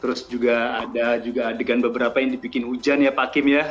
terus juga ada juga adegan beberapa yang dibikin hujan ya pak kim ya